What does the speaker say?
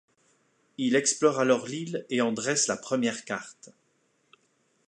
Il explore alors l'île et en dresse la première carte.